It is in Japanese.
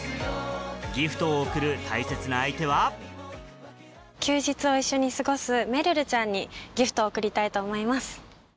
ギフトを贈る大切な相手は休日を一緒に過ごすめるるちゃんにギフトを贈りたいと思います。